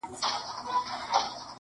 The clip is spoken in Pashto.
هغه راغی لکه خضر ځلېدلی-